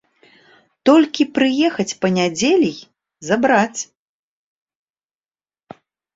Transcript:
Толькі прыехаць па нядзелі й забраць.